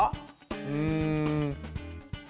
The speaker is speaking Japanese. うん。